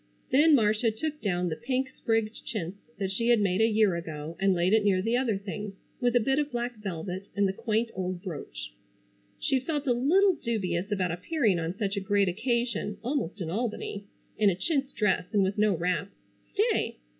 Then Marcia took down the pink sprigged chintz that she had made a year ago and laid it near the other things, with a bit of black velvet and the quaint old brooch. She felt a little dubious about appearing on such a great occasion, almost in Albany, in a chintz dress and with no wrap. Stay!